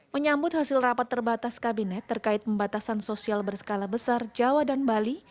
menyambut hasil rapat terbatas kabinet terkait pembatasan sosial berskala besar jawa dan bali